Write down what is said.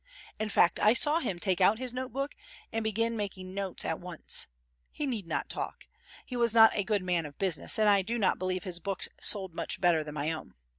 In fact, I saw him take out his note book and begin making notes at once. He need not talk. He was not a good man of business and I do not believe his books sold much better than my own.